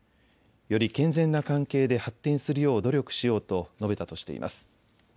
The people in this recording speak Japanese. より健全な関係で発展するよう努力しようと述べたとしています。